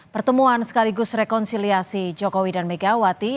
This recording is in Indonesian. pertemuan sekaligus rekonsiliasi jokowi dan megawati